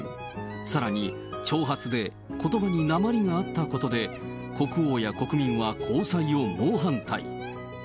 さらに長髪で、ことばになまりがあったことで、国王や国民は交際を猛反対。